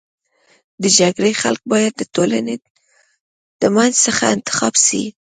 د جرګي خلک بايد د ټولني د منځ څخه انتخاب سي.